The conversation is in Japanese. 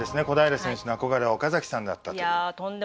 小平選手の憧れは岡崎さんだったと。